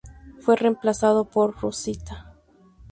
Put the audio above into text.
Fue reemplazado por "Rosita"